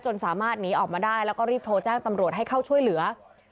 สามารถหนีออกมาได้แล้วก็รีบโทรแจ้งตำรวจให้เข้าช่วยเหลือ